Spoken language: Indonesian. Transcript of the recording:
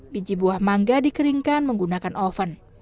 biji buah mangga dikeringkan menggunakan oven